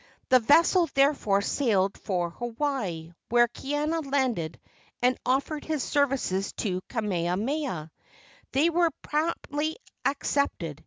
The vessel, therefore, sailed for Hawaii, where Kaiana landed and offered his services to Kamehameha. They were promptly accepted.